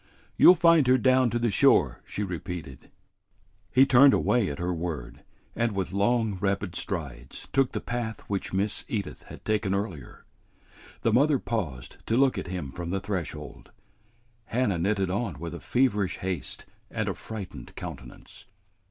"You'll find her down to the shore," she repeated. He turned away at her word, and with long, rapid strides took the path which Miss Edith had taken earlier. The mother paused to look at him from the threshold. Hannah knitted on with a feverish haste and a frightened countenance.